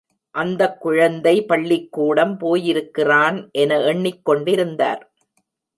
அந்தக் குழந்தை பள்ளிக்கூடம் போயிருக்கிறான் என எண்ணிக் கொண்டிருந்தார்.